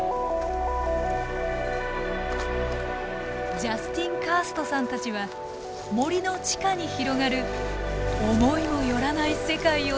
ジャスティン・カーストさんたちは森の地下に広がる思いも寄らない世界を突き止めました。